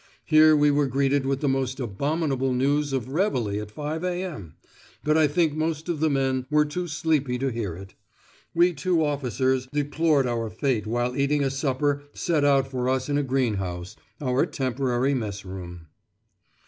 Here we were greeted with the most abominable news of réveillé at 5.0 a.m., but I think most of the men were too sleepy to hear it; we two officers deplored our fate while eating a supper set out for us in a greenhouse, our temporary mess room!